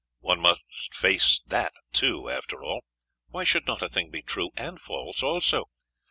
One must face that too, after all. Why should not a thing be true and false also?